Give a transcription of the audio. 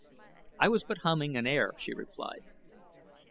"I was but humming an air," she replied.